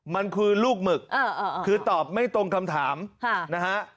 มันคือลูกหมึกคือตอบไม่ตรงคำถามนะฮะ